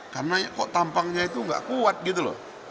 karena kok tampangnya itu tidak kuat gitu loh